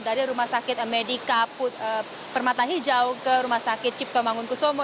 dari rumah sakit medica permata hijau ke rumah sakit ciptomangun kusumo